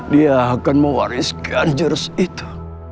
dia akan mewariskan jers itu